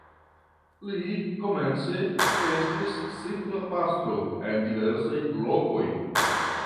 Li komence estis simpla pastro en diversaj lokoj.